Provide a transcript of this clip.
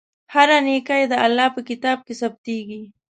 هره نېکۍ د الله په کتاب کې ثبتېږي.